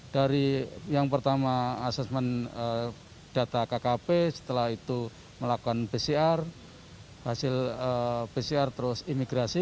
dari yang pertama asesmen data kkp setelah itu melakukan pcr hasil pcr terus imigrasi